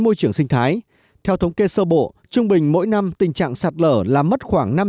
môi trường sinh thái theo thống kê sơ bộ trung bình mỗi năm tình trạng sạt lở làm mất khoảng